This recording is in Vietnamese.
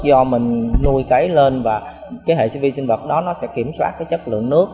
do mình nuôi cái lên và hệ vi sinh vật đó sẽ kiểm soát chất lượng nước